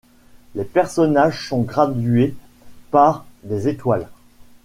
Les personnages sont gradués par des étoiles.